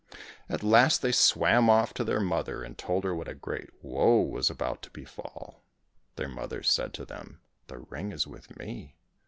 At last they swam off to their mother, and told her what a great woe was about to befall. Their mother said to them, " The ring is with me.